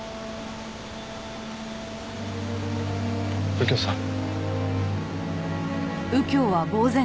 右京さん。